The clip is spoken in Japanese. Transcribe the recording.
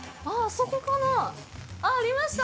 そこかなありました